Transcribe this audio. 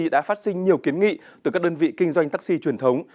đã phát sinh nhiều kiến nghị từ các đơn vị kinh doanh taxi truyền thống